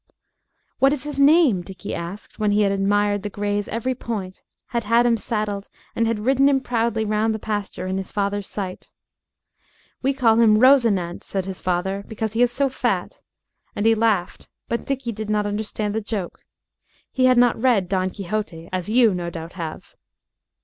"What is his name?" Dickie asked, when he had admired the gray's every point, had had him saddled, and had ridden him proudly round the pasture in his father's sight. "We call him Rosinante," said his father, "because he is so fat," and he laughed, but Dickie did not understand the joke. He had not read "Don Quixote," as you, no doubt, have.